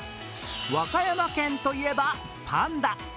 和歌山県といえばパンダ。